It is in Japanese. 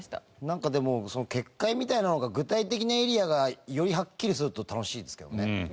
なんかでもその結界みたいなのが具体的なエリアがよりはっきりすると楽しいですけどね。